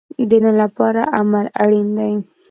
د نن لپاره عمل اړین دی